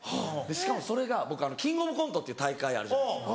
しかもそれが僕『キングオブコント』っていう大会あるじゃないですか